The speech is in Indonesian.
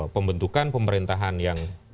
pembentukan pemerintahan yang